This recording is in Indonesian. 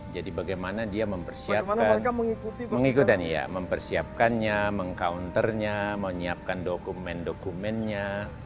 jadi bagaimana dia mempersiapkan mempersiapkannya meng counternya menyiapkan dokumen dokumennya